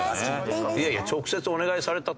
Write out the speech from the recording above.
いやいや直接お願いされたところで。